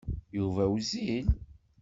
Yuba wezzil.